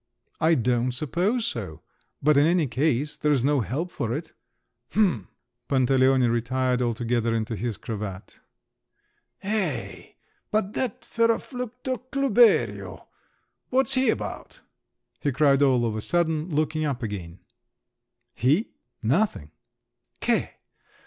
"I don't suppose so; but in any case, there's no help for it." "H'm!" Pantaleone retired altogether into his cravat. "Hey, but that ferroflucto Klüberio—what's he about?" he cried all of a sudden, looking up again. "He? Nothing."